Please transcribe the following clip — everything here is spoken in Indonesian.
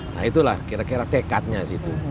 nah itulah kira kira tekadnya sih itu